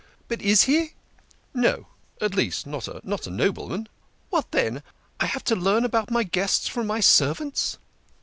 " But is he ?"" No at least, not a nobleman." "What then? I have to learn about my guests from my servants."